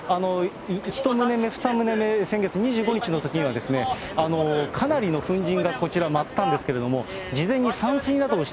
１棟目、２棟目、先月２５日のときには、かなりの粉じんがこちら舞ったんですけれども、事前に散水などし